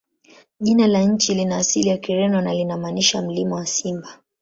Jina la nchi lina asili ya Kireno na linamaanisha "Mlima wa Simba".